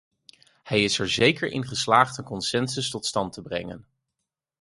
Hij is er zeker in geslaagd een consensus tot stand te brengen.